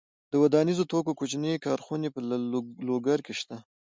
د ودانیزو توکو کوچنۍ کارخونې په لوګر کې شته.